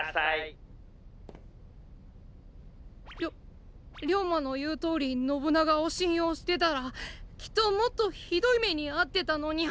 りょ龍馬のいうとおり信長をしんようしてたらきっともっとひどいめにあってたのニャ！